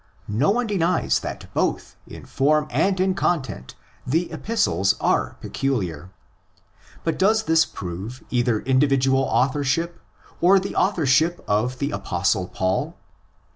No one denies that both in form and in content the Epistles are peculiar. But does this prove either individual authorship or the author ship of the Apostle Paul?